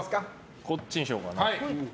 こっちにしようかな。